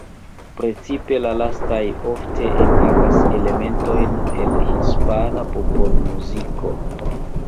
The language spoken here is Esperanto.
Precipe la lastaj ofte enhavas elementojn el hispana popolmuziko.